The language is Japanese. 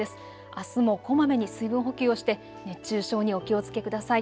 あすもこまめに水分補給をして熱中症にお気をつけください。